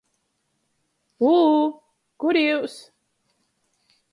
U-ū — kur jius?